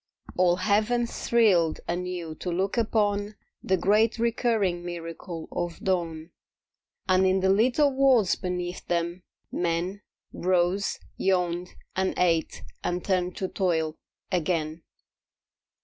All Heaven thrilled anew to look upon The great recurring miracle of dawn. And in the little worlds beneath them men Rose, yawned and ate and turned to toil again.